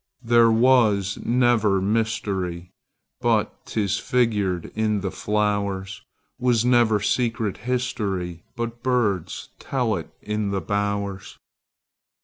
There was never mysteryBut 'tis figured in the flowers; SWas never secret historyBut birds tell it in the bowers.